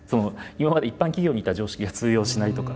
今まで一般企業にいた常識が通用しないとか。